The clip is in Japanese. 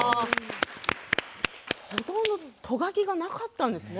ほとんど、ト書きがなかったんですね。